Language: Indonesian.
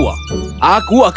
aku akan mencari mereka